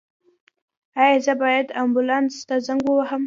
ایا زه باید امبولانس ته زنګ ووهم؟